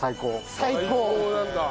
最高なんだ。